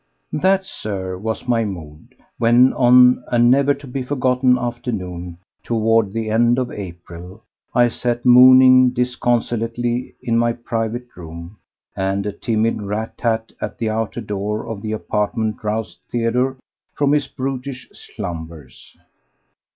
That, Sir, was my mood, when on a never to be forgotten afternoon toward the end of April, I sat mooning disconsolately in my private room and a timid rat tat at the outer door of the apartment roused Theodore from his brutish slumbers.